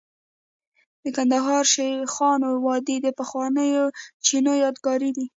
د کندهار شیخانو وادي د پخوانیو چینو یادګار دی